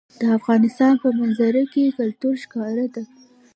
د افغانستان په منظره کې کلتور ښکاره ده.